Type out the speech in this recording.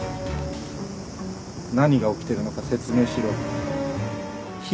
何が起きてるのか説明しろ。